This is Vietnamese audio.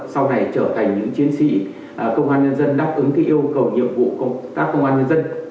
sau này trở thành những chiến sĩ công an nhân dân đáp ứng cái yêu cầu nhiệm vụ các công an nhân dân